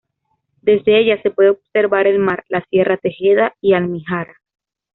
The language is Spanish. Desde ella se puede observar el Mar, la Sierra Tejeda y Almijara.